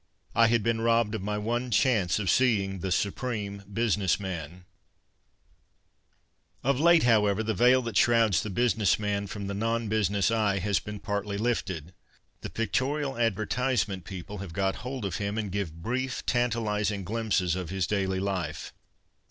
I had been robbed of my one chance of seeing the siipreme business man. 29G THE BUSINESS MAN Of late, however, the veil that shrouds the business man from the non business eye has been partly lifted. The pictorial advertisement people have got hold of him and give brief, tantalizing glimpses of his daily life.